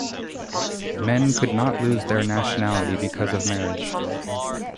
Men could not lose their nationality because of marriage.